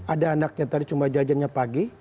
ada anaknya tadi cuma jajannya pagi